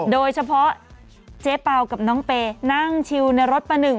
โดยเฉพาะเจ๊เป่ากับน้องเปย์นั่งชิลในรถประหนึ่ง